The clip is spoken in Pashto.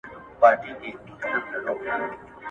خولې زموږ بدن یخ ساتي.